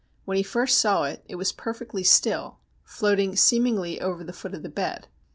When he first saw it, it was perfectly still, floating seemingly over the foot of the bed.